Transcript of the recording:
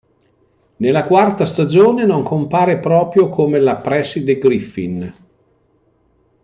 Nella quarta stagione non compare proprio come la Preside Griffin.